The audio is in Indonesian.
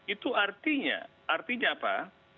itu artinya artinya apa